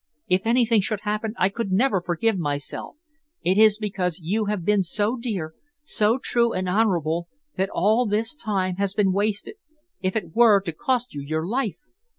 "If anything should happen, I could never forgive myself. It is because you have been so dear, so true and honourable, that all this time has been wasted. If it were to cost you your life!"